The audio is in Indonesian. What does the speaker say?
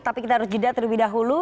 tapi kita harus jeda terlebih dahulu